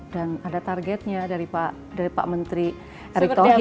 dan ada targetnya dari pak menteri ericko hir